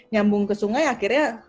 nyambung ke sungai akhirnya